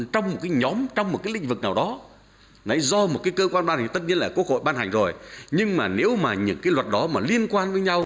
thì tất nhiên là quốc hội ban hành rồi nhưng mà nếu mà những cái luật đó mà liên quan với nhau